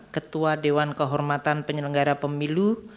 ketua dewan kehormatan penyelenggara pemilu